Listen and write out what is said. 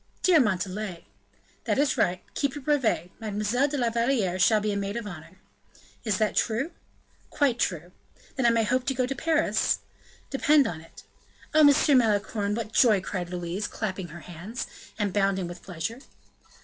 "Dear Montalais!" "That is right. Keep your brevet; Mademoiselle de la Valliere shall be a maid of honor." "Is that true?" "Quite true." "I may then hope to go to Paris?" "Depend on it." "Oh! Monsieur Malicorne, what joy!" cried Louise, clapping her hands, and bounding with pleasure.